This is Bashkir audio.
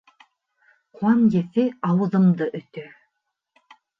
Ҡан еҫе ауыҙымды өтә.